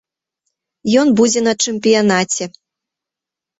Ён будзе на чэмпіянаце.